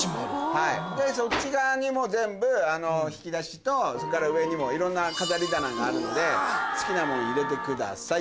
でそっち側にも全部引き出しとそれから上にもいろんな飾り棚があるので好きなもの入れてください。